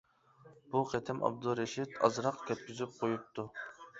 بۇ قېتىم ئابدۇرېشىت ئازراق كەتكۈزۈپ قويۇپتۇ.